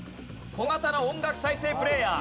小型の音楽再生プレイヤー。